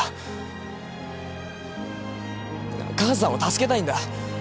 母さんを助けたいんだ！